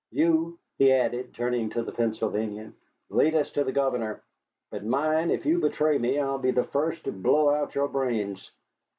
You," he added, turning to the Pennsylvanian, "lead us to the governor. But mind, if you betray me, I'll be the first to blow out your brains."